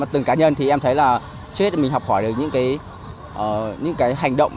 từ cá nhân thì em thấy là trước hết mình học hỏi được những cái hành động